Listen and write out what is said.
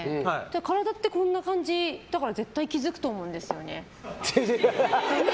体ってこんな感じだから絶対気づくと思うんですよね。